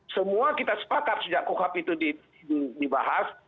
semua kita sepakat sejak kuhap itu dibahas